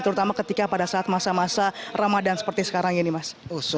terutama ketika pada saat masa masa ramadan seperti sekarang ini mas